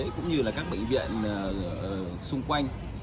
cũng như là các bệnh viện xung quanh